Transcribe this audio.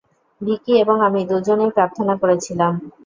ভিকি এবং আমি দুজনেই প্রার্থনা করেছিলাম।